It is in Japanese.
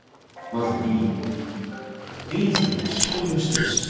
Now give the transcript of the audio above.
まず梨々ビーストに聞き込みをしてほしい。